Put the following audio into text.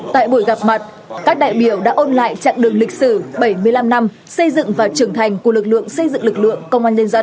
tại buổi gặp mặt các đại biểu đã ôn lại chặng đường lịch sử bảy mươi năm năm xây dựng và trưởng thành của lực lượng xây dựng lực lượng công an nhân dân